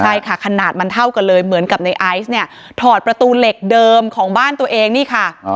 ใช่ค่ะขนาดมันเท่ากันเลยเหมือนกับในไอซ์เนี่ยถอดประตูเหล็กเดิมของบ้านตัวเองนี่ค่ะ